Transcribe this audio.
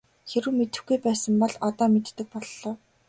Хэрэв мэдэхгүй байсан бол одоо мэддэг боллоо.